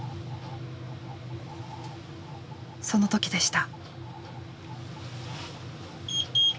その時でした。